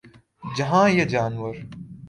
جہاں یہ جانور